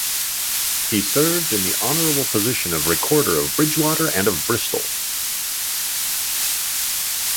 He served in the honourable position of Recorder of Bridgwater and of Bristol.